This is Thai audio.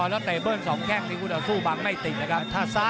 แล้วเตะเบิ้ลสองแก้งสู้บางไม่ติดนะครับ